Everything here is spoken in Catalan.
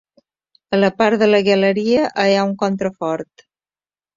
A la part de la galeria hi ha un contrafort.